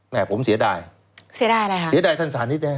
แหมผมเสียดาย